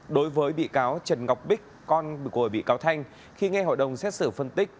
đối với bị cáo trần ngọc bích con của bị cáo thanh khi nghe hội đồng xét xử phân tích